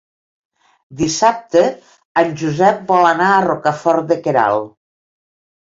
Dissabte en Josep vol anar a Rocafort de Queralt.